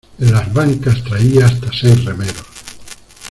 en las bancas traía hasta seis remeros.